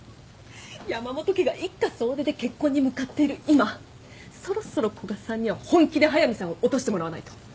山本家が一家総出で結婚に向かっている今そろそろ古賀さんには本気で速見さんを落としてもらわないと。